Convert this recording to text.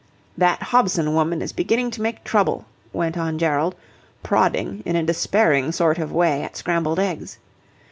"That Hobson woman is beginning to make trouble," went on Gerald, prodding in a despairing sort of way at scrambled eggs.